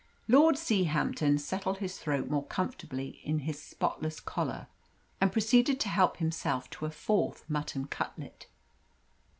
Lord Seahampton settled his throat more comfortably in his spotless collar, and proceeded to help himself to a fourth mutton cutlet.